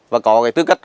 và có cái tư cách